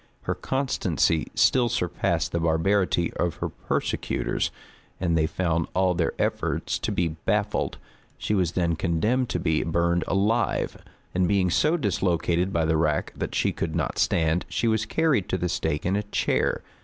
Her constancy still surpassed the barbarity of her persecutors, and they found all their efforts to be baffled. She was then condemned to be burned alive; and being so dislocated by the rack that she could not stand, she was carried to the stake in a chair.